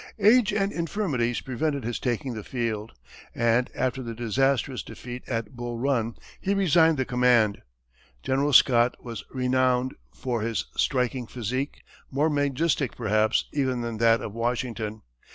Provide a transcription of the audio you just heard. Age and infirmities prevented his taking the field, and after the disastrous defeat at Bull Run, he resigned the command. General Scott was renowned for his striking physique, more majestic, perhaps, even than that of Washington.